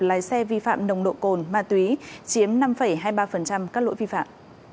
lái xe vi phạm nồng độ cồn ma túy chiếm năm hai mươi ba các lỗi vi phạm